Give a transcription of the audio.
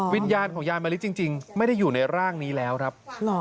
วิญญาณของยายมะลิจริงไม่ได้อยู่ในร่างนี้แล้วครับ